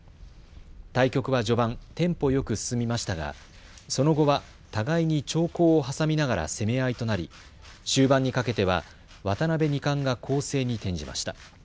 対局は序盤テンポよく進みましたが、その後は互いに長考を挟みながら攻め合いとなり終盤にかけては渡辺二冠が攻勢に転じました。